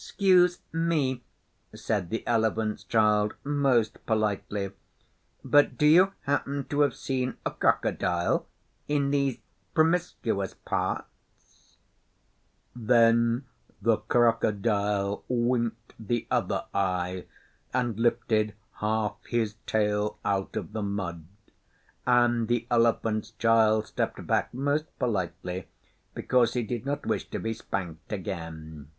''Scuse me,' said the Elephant's Child most politely, 'but do you happen to have seen a Crocodile in these promiscuous parts?' Then the Crocodile winked the other eye, and lifted half his tail out of the mud; and the Elephant's Child stepped back most politely, because he did not wish to be spanked again.